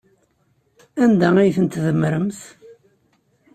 Anda ay tent-tdemmremt?